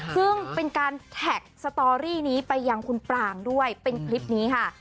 ซึ่งเป็นการแท็กสตอรี่นี้ไปยังคุณปรางด้วยเป็นคลิปนี้ค่ะ